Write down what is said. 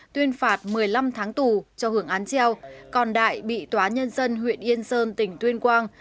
tuyên phạt một mươi năm tháng tù cho hưởng án treo còn đại bị tòa nhân dân huyện yên sơn tỉnh tuyên quang